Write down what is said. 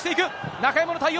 中山の対応。